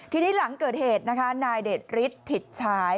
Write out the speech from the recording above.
ทีนี้หลังเกิดเหตุนะคะนายเดชฤทธิ์ชาย